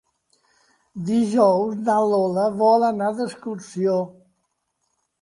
Dijous na Lola vol anar d'excursió.